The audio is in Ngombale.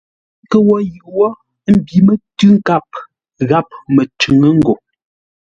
A kə wo yʉʼ wó ḿbí mətʉ̌ nkâp gháp məcʉŋʉ́ ngô.